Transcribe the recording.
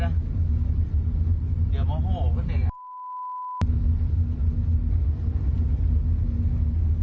เดี๋ยวโมโหก็เสร็จ